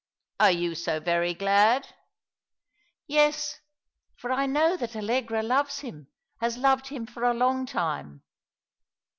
'^" Are you so very glad ?"*' Yes, for I know that Allegra loves him, has loved him for a long time."